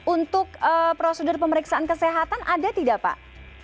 untuk prosedur pemeriksaan kesehatan ada tidak pak